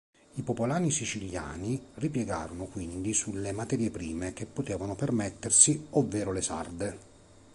I popolani siciliani ripiegarono quindi sulle materie prime che potevano permettersi ovvero le sarde.